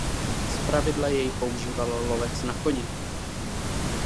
Zpravidla jej používal lovec na koni.